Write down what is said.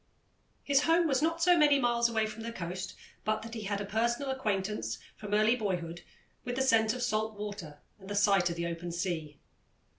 His home was not so many miles away from the coast but that he had a personal acquaintance, from early boyhood, with the scent of salt water and the sight of the open sea.